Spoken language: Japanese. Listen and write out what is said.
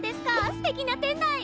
すてきな店内！